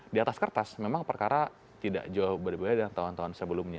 di atas kertas memang perkara tidak jauh berbeda dengan tahun tahun sebelumnya